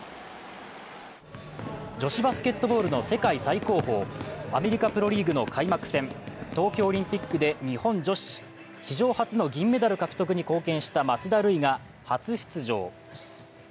女子バスケットボールの世界最高峰、アメリカ・プロリーグの開幕戦東京オリンピックで日本女子史上初の銀メダル獲得に貢献した町田瑠唯が初出場。